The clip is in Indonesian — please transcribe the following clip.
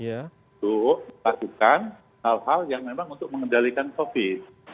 untuk melakukan hal hal yang memang untuk mengendalikan covid